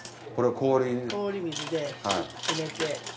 氷水でしめて。